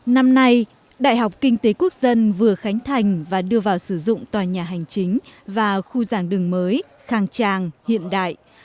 năm nay đại học kinh tế quốc dân vừa khánh thành và đưa vào sử dụng tòa nhà hành chính và khu giảng đường mới khang trang hiện đại